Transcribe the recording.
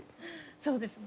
そうですね。